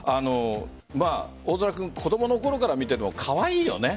大空君、子供のころから見ててもカワイイよね。